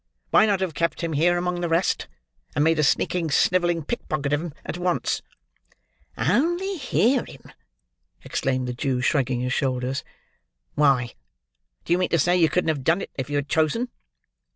Why not have kept him here among the rest, and made a sneaking, snivelling pickpocket of him at once?" "Only hear him!" exclaimed the Jew, shrugging his shoulders. "Why, do you mean to say you couldn't have done it, if you had chosen?"